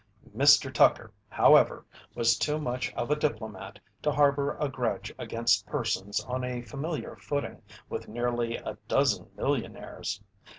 Mr. Tucker, however, was too much of a diplomat to harbour a grudge against persons on a familiar footing with nearly a dozen millionaires.